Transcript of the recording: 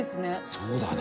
そうだね。